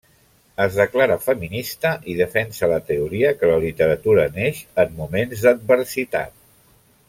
Es declara feminista i defensa la teoria que la literatura neix en moments d'adversitat.